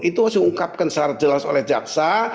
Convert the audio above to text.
itu harus diungkapkan secara jelas oleh jaksa